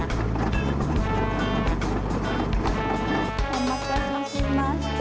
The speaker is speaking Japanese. お待たせしました。